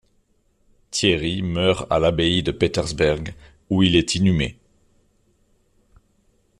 Thierry meurt à l'abbaye de Petersberg où il est inhumé.